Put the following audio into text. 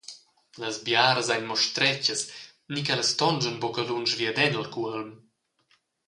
Las biaras ein mo stretgas ni ch’ellas tonschan buca lunsch viaden el cuolm.